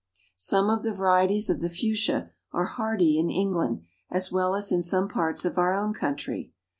Some of the varieties of the Fuchsia are hardy in England as well as in some parts of our own country.